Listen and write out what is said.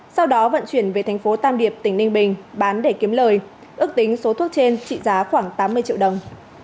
sau đó vận chuyển về thành phố tam điệp tỉnh ninh bình bán để kiếm lời ước tính số thuốc trên trị giá khoảng tám mươi triệu đồng